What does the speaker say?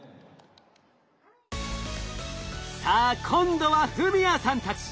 さあ今度は史哉さんたち。